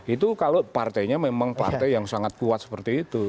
itu kalau partainya memang partai yang sangat kuat seperti itu